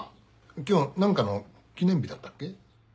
今日何かの記念日だったっけ？